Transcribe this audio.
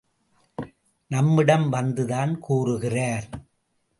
நம்மிடம் வந்துதான் கூறுகிறார்.